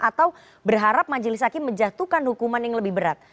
atau berharap majelis hakim menjatuhkan hukuman yang lebih berat